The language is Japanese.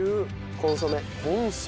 コンソメ。